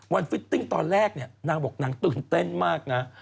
ฟิตติ้งตอนแรกเนี่ยนางบอกนางตื่นเต้นมากนะ